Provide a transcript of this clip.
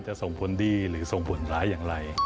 จะส่งผลดีหรือส่งผลร้ายอย่างไร